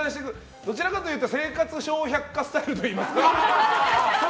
どちらかというと「生活笑百科」スタイルといいますか。